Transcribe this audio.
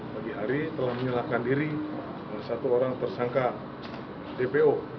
pagi hari telah menyerahkan diri satu orang tersangka dpo